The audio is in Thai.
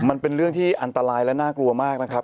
มันเป็นเรื่องที่อันตรายและน่ากลัวมากนะครับ